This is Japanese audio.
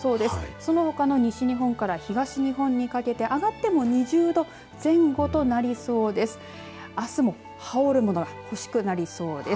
そのほかの西日本から東日本にかけて上がっても２０度前後となりそうです。